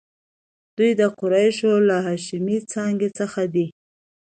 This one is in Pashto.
دوی د قریشو له هاشمي څانګې څخه دي.